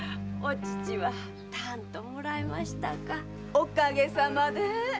おかげさまで。